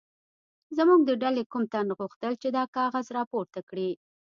زموږ د ډلې کوم تن غوښتل چې دا کاغذ راپورته کړي.